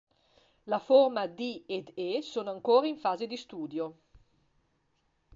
La forma "d" ed "e" sono ancora in fase di studio.